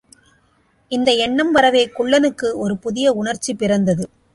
இந்த எண்ணம் வரவே குள்ளனுக்கு ஒரு புதிய உணர்ச்சி பிறந்தது.